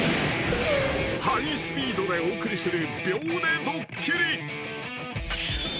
［ハイスピードでお送りする］